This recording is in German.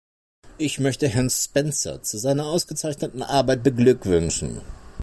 Ich möchte Herrn Spencer zu seiner ausgezeichneten Arbeit beglückwünschen.